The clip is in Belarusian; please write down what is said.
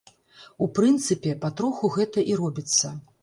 У прынцыпе, патроху гэта і робіцца.